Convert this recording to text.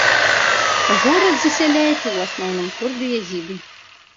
Горад засяляюць ў асноўным курды-езіды.